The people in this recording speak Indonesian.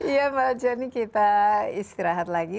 iya pak jani kita istirahat lagi